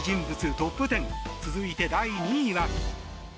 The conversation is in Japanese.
トップ１０続いて、第２位は。